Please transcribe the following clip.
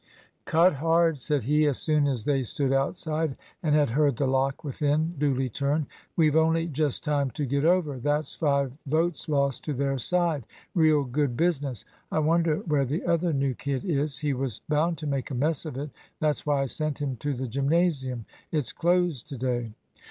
"Cut hard," said he, as soon as they stood outside, and had heard the lock within duly turned. "We've only just time to get over; that's five votes lost to their side! Real good business! I wonder where the other new kid is? He was bound to make a mess of it. That's why I sent him to the gymnasium; it's closed to day."